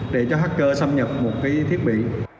để cho hacker xâm nhập một cái thiết bị